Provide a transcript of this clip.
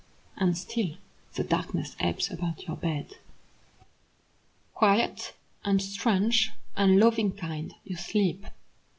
And still the darkness ebbs about your bed. Quiet, and strange, and loving kind, you sleep.